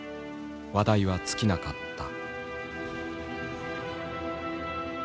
話題は尽きなかった。